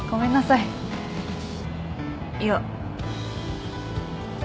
いや。